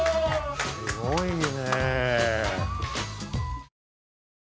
すごいね。